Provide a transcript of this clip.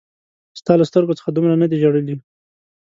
ستا له سترګو څخه دومره نه دي ژړلي